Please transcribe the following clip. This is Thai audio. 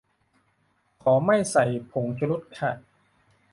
ขอไม่ใส่ผงชูรสค่ะ